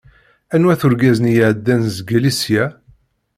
Anwa-t urgaz-nni i iɛeddan zgelli sya?